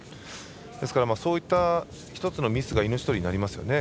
ですからそういった１つのミスが命取りになりますよね。